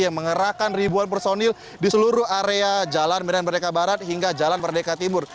yang mengerahkan ribuan personil di seluruh area jalan medan merdeka barat hingga jalan merdeka timur